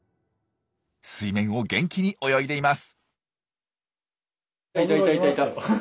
水面を元気に泳いでいます。